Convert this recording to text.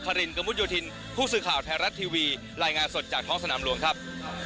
รินกระมุดโยธินผู้สื่อข่าวไทยรัฐทีวีรายงานสดจากท้องสนามหลวงครับ